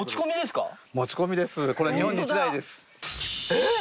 えっ！？